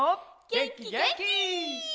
げんきげんき！